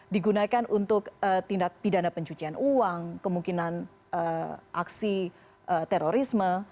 digunakan untuk tindak pidana pencucian uang kemungkinan aksi terorisme